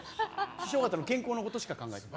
師匠方の健康のことばっかり考えてる。